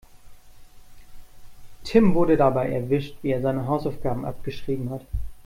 Tim wurde dabei erwischt, wie er seine Hausaufgaben abgeschrieben hat.